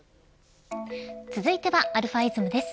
続いてはαｉｓｍです。